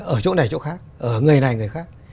ở chỗ này chỗ khác ở người này người khác